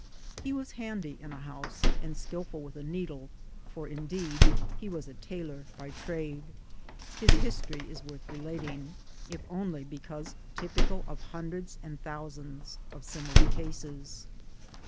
He was handy in a house, and skilful with a needle ; for indeed he was a tailor by trade. His history is worth relating if only because typical 01 hundreds and thousands of similar cases.